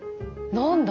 何だ？